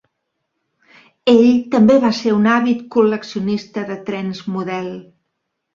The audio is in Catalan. Ell també va ser un àvid col·leccionista de trens model.